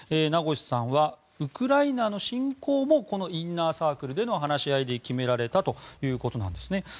名越さんはウクライナの侵攻もこのインナーサークルでの話し合いで決められたということなんですね。